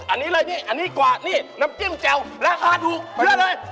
อันนี้เลยนี่อันนี้กว่านี่น้ำจิ้มแจ่วราคาถูกเยอะเลย